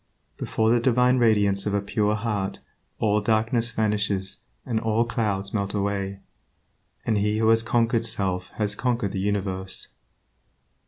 Before the divine radiance of a pure heart all darkness vanishes and all clouds melt away, and he who has conquered self has conquered the universe.